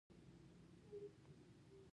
دولت په اقتصادي برخو کې محوري رول لوباوه.